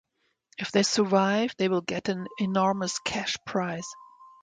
If they survive they will get an enormous cash prize.